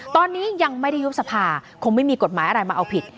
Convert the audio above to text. ตอนนี้ยังไม่ได้ยุบสภาคงไม่มีกฎหมายอะไรมาเอาผิด